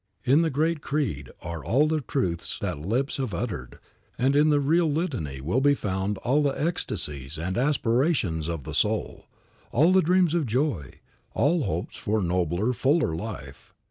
In the great creed are all the truths that lips have uttered, and in the real litany will be found all the ecstasies and aspirations of the soul, all dreams of joy, all hopes for nobler, fuller life.